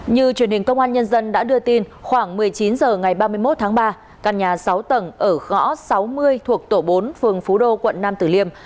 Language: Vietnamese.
như truyền hình công an nhân dân đã đưa tin khoảng một mươi chín h ngày ba mươi một tháng ba căn nhà sáu tầng ở ngõ sáu mươi thuộc tổ bốn phường phú đô quận nam tử liêm